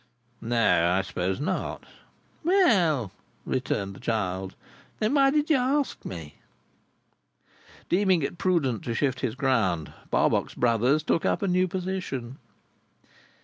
"No, I suppose not." "Well," returned the child, "then why did you ask me?" Deeming it prudent to shift his ground, Barbox Brothers took up a new position.